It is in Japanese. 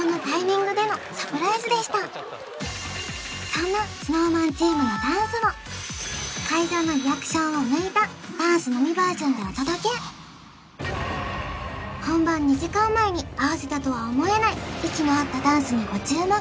そんなＳｎｏｗＭａｎチームのダンスを会場のリアクションを抜いたダンスのみバージョンでお届け本番２時間前に合わせたとは思えない息の合ったダンスにご注目